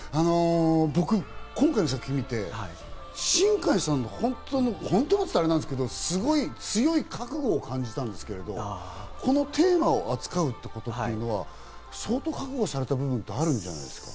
僕、今回の作品を見て新海さんの本当の、本当のって言ったらあれだけど、強い覚悟を感じたんですけど、このテーマを扱うことというのは相当、覚悟された部分ってあるんですか？